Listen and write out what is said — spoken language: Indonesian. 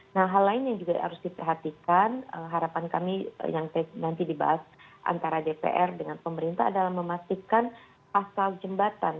nah hal lain yang juga harus diperhatikan harapan kami yang nanti dibahas antara dpr dengan pemerintah adalah memastikan pasal jembatan